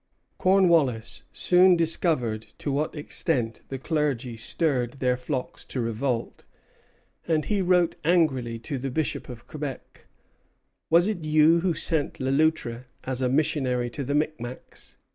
Cornwallis soon discovered to what extent the clergy stirred their flocks to revolt; and he wrote angrily to the Bishop of Quebec: "Was it you who sent Le Loutre as a missionary to the Micmacs?